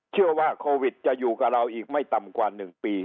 เชื่อว่าโควิดจะอยู่กับเราอีกไม่ต่ำกว่า๑ปี